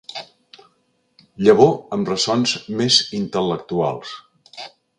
Llavor amb ressons més intel·lectuals.